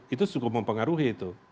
itu cukup mempengaruhi itu